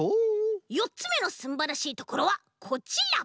よっつめのすんばらしいところはこちら。